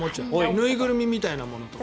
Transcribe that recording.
縫いぐるみみたいなものとか。